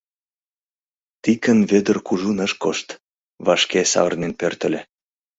Тикын Вӧдыр кужун ыш кошт, вашке савырнен пӧртыльӧ.